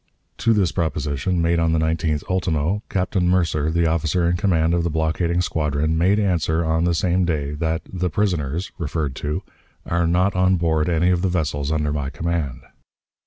To this proposition, made on the 19th ultimo, Captain Mercer, the officer in command of the blockading squadron, made answer, on the same day, that 'the prisoners' (referred to) 'are not on board any of the vessels under my command.'